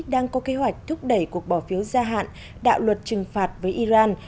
đang có kế hoạch thúc đẩy cuộc bỏ phiếu gia hạn đạo luật trừng phạt với iran